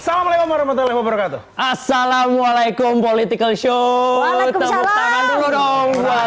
assalamualaikum warahmatullahi wabarakatuh assalamualaikum political show